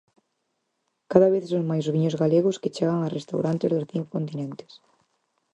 Cada vez son máis os viños galegos que chegan a restaurantes dos cinco continentes.